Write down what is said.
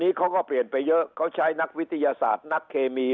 เขาก็เปลี่ยนไปเยอะเขาใช้นักวิทยาศาสตร์นักเคมี